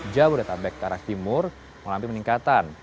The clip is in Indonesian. jawa jatabek karakimur melampir meningkatan